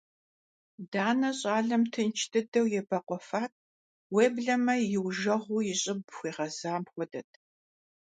Данэ щӀалэм тынш дыдэу ебэкъуэфат, уеблэмэ иужэгъуу и щӀыб хуигъэзам хуэдэт.